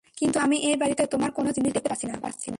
কিন্তু আমি এই বাড়িতে তোমার কোন জিনিস দেখতে পাচ্ছি না।